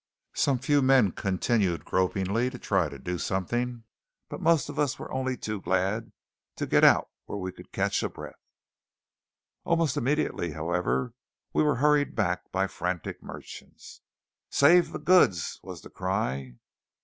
Some few men continued gropingly to try to do something, but the most of us were only too glad to get out where we could catch a breath. Almost immediately, however, we were hurried back by frantic merchants. "Save the goods!" was the cry.